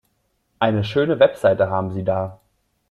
Eine schöne Website haben Sie da.